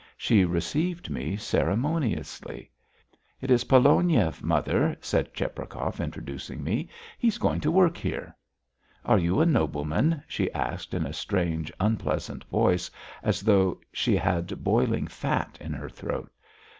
She received me ceremoniously. "It is Pologniev, mother," said Cheprakov, introducing me. "He is going to work here." "Are you a nobleman?" she asked in a strange, unpleasant voice as though she had boiling fat in her throat.